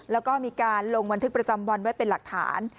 แล้วก็มีการลงบันทึกประจำวันไว้เป็นหลักฐาน